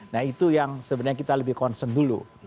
nah itu yang sebenarnya kita lebih concern dulu